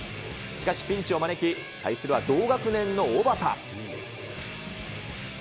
しかしピンチを招き、対するは同学年の小幡。